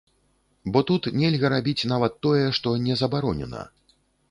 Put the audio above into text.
Бо тут нельга рабіць нават тое, што не забаронена.